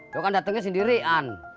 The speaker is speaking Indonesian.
lu kan datangnya sendirian